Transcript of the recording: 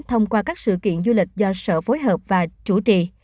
thông qua các sự kiện du lịch do sở phối hợp và chủ trì